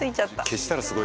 消したらすごい。